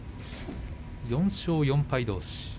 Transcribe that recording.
４勝４敗どうし。